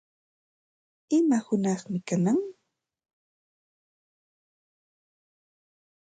¿Ima hunaqmi kanan?